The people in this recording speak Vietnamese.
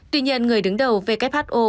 tuy nhiên người đứng đầu who